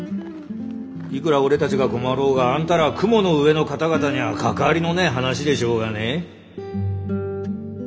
いくら俺たちが困ろうがあんたら雲の上の方々にゃ関わりのねえ話でしょうがね。